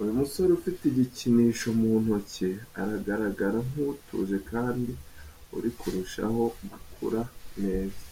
Uyu musore ufite igikinisho mu ntoki aragaragara nk’utuje kandi uri kurushaho gukura neza.